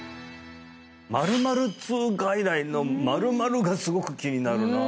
「○○痛外来」の「○○」がすごく気になるなあ